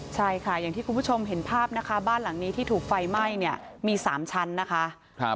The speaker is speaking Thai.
ใช่ค่ะอย่างที่คุณผู้ชมเห็นภาพนะคะบ้านหลังนี้ที่ถูกไฟไหม้เนี่ยมี๓ชั้นนะคะ